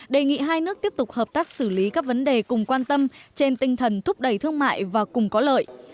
đề nghị hai nước tiếp tục hợp tác xử lý các vấn đề cùng quan tâm trên tinh thần thúc đẩy thương mại và cùng có lợi